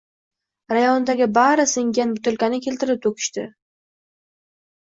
Rayondagi bari singan butilkani keltirib to‘kishadi.